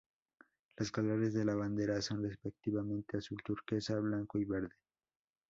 Los colores de la bandera son, respectivamente: azul turquesa, blanco y verde.